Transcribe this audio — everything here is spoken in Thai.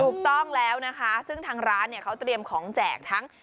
ถูกต้องแล้วนะคะซึ่งทางร้านเนี่ยเขาเตรียมของแจกทั้ง